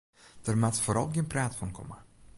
Der moat foaral gjin praat fan komme.